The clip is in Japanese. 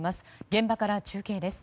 現場から中継です。